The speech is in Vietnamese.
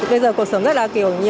bây giờ cuộc sống rất là kiểu